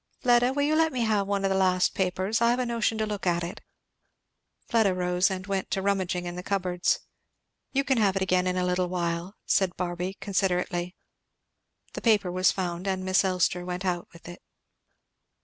"Fleda will you let me have one of the last papers? I've a notion to look at it." Fleda rose and went to rummaging in the cupboards. "You can have it again in a little while," said Barby considerately. The paper was found and Miss Elster went out with it.